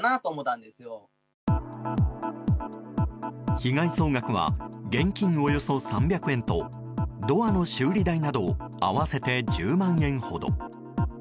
被害総額は現金およそ３００円とドアの修理代など合わせて１０万円ほど。